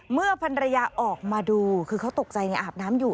เมื่อพันรยาออกมาดูคือเขาตกใจอาบน้ำอยู่